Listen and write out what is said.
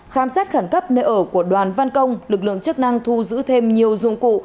khám xét khẩn cấp nơi ở của đoàn văn công lực lượng chức năng thu giữ thêm nhiều dụng cụ